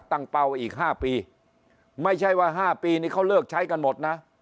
เป้าอีก๕ปีไม่ใช่ว่า๕ปีนี่เขาเลิกใช้กันหมดนะ